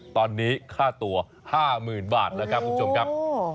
ตอนนี้ค่าตัว๕๐๐๐บาทแล้วครับคุณผู้ชมครับ